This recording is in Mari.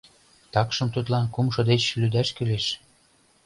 Такшым тудлан кумшо деч лӱдаш кӱлеш.